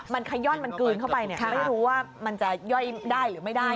มันขย่อนมันกลืนเข้าไปเนี่ยไม่รู้ว่ามันจะย่อยได้หรือไม่ได้